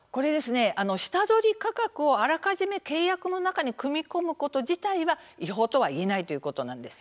下取り価格をあらかじめ契約の中に組み込む自体は違法とはいえないということなんです。